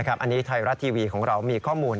อันนี้ไทยรัฐทีวีของเรามีข้อมูล